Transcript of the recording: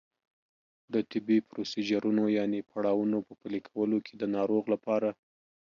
د طبي پروسیجرونو یانې پړاوونو په پلي کولو کې د ناروغ لپاره